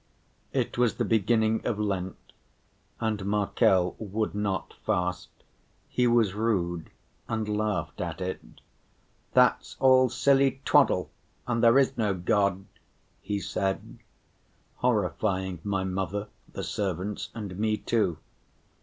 It was the beginning of Lent, and Markel would not fast, he was rude and laughed at it. "That's all silly twaddle, and there is no God," he said, horrifying my mother, the servants, and me too.